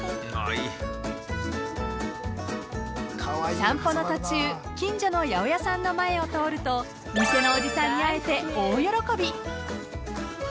［散歩の途中近所の八百屋さんの前を通ると店のおじさんに会えて大喜び］